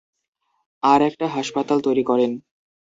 আর একটা হাসপাতাল তৈরি করেন।